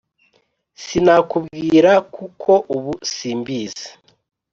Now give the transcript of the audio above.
sinakubwira kuko ubu simbizi